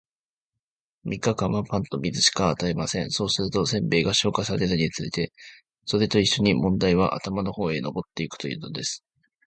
三日間は、パンと水しか与えません。そうすると、煎餅が消化されるにつれて、それと一しょに問題は頭の方へ上ってゆくというのです。